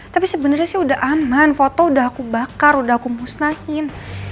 tapi sebenarnya sih udah aman foto udah aku bakar udah aku musnahin